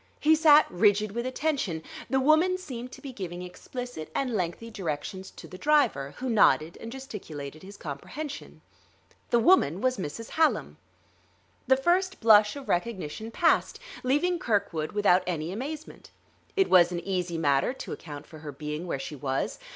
He sat rigid with attention; the woman seemed to be giving explicit and lengthy directions to the driver, who nodded and gesticulated his comprehension. The woman was Mrs. Hallam. The first blush of recognition passed, leaving Kirkwood without any amazement. It was an easy matter to account for her being where she was.